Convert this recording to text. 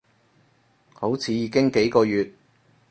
好似已經幾個月